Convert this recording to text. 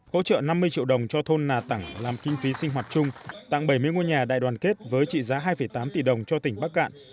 hỗ trợ năm mươi triệu đồng cho thôn nà tẳng làm kinh phí sinh hoạt chung tặng bảy mươi ngôi nhà đại đoàn kết với trị giá hai tám tỷ đồng cho tỉnh bắc cạn